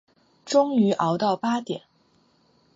终于熬到八点